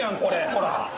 ほら！